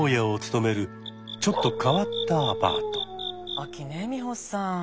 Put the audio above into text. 秋ね美穂さん。